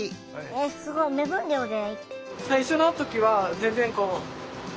すごい！目分量で？